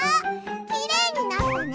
きれいになったね！